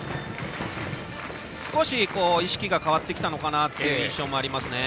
少し意識が変わってきたなという印象もありますね。